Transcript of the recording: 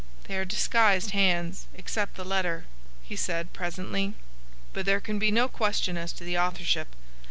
"They are disguised hands, except the letter," he said, presently, "but there can be no question as to the authorship.